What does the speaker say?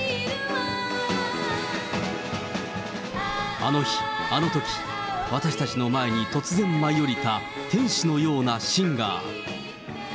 あの日、あのとき、私たちの前に突然舞い降りた天使のようなシンガー。